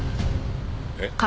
えっ？